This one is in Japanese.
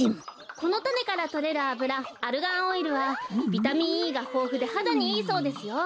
このたねからとれるあぶらアルガンオイルはビタミンＥがほうふではだにいいそうですよ。